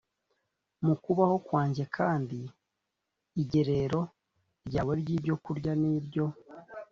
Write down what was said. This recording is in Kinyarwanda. Mu kubaho kwanjye kandi igerero ryawe ry’ibyo kurya ni iryo